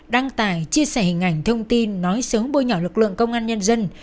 đăng tải chia sẻ hình ảnh thông tin nói xấu bôi nhỏ lực lượng công an nhân dân